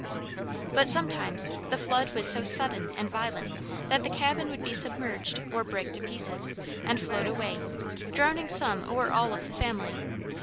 But sometimes the flood was so sudden and violent that the cabin would be submerged or break to pieces, and float away, drowning some or all of the family.